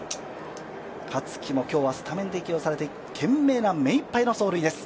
香月も今日はスタメンで起用されて懸命な目いっぱいの走塁です。